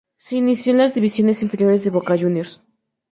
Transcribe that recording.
Se inició en las Divisiones Inferiores de Boca Juniors.